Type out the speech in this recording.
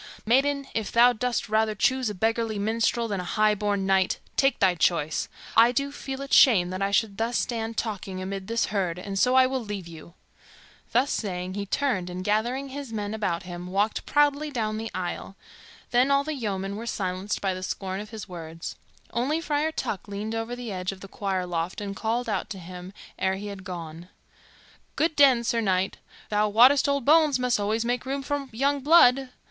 Maiden, if thou dost rather choose a beggarly minstrel than a high born knight, take thy choice. I do feel it shame that I should thus stand talking amid this herd, and so I will leave you." Thus saying, he turned and, gathering his men about him, walked proudly down the aisle. Then all the yeomen were silenced by the scorn of his words. Only Friar Tuck leaned over the edge of the choir loft and called out to him ere he had gone, "Good den, Sir Knight. Thou wottest old bones must alway make room for young blood."